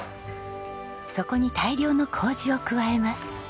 そこに大量の糀を加えます。